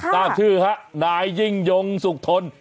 นามชื่อครับนายยิงยงสุขทน